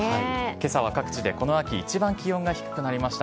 けさは各地でこの秋一番気温が低くなりました。